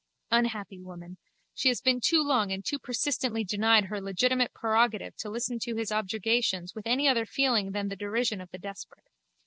Unhappy woman, she has been too long and too persistently denied her legitimate prerogative to listen to his objurgations with any other feeling than the derision of the desperate.